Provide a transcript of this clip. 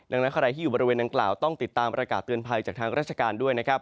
ดังนั้นใครที่อยู่บริเวณดังกล่าวต้องติดตามประกาศเตือนภัยจากทางราชการด้วยนะครับ